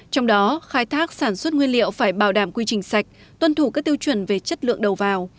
trong đó khai thác sản xuất nguyên liệu phải bảo đảm quy trình sạch tuân thủ các tiêu chuẩn về chất lượng đầu vào